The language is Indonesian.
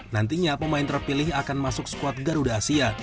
nantinya pemain terpilih akan masuk skuad garuda asia